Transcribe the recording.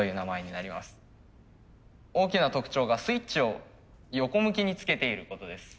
大きな特徴がスイッチを横向きにつけていることです。